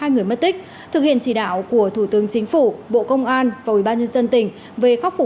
hai người mất tích thực hiện chỉ đạo của thủ tướng chính phủ bộ công an và ubnd tỉnh về khắc phục